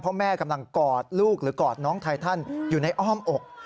แม่กำลังกอดลูกหรือกอดน้องไททันอยู่ในอ้อมอก